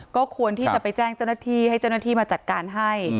ก็ควรที่จะไปแจ้งเจ้าหน้าที่ให้เจ้าหน้าที่มาจัดการให้